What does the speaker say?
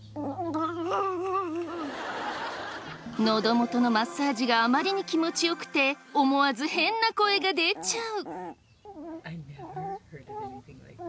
のど元のマッサージがあまりに気持ち良くて思わず変な声が出ちゃう。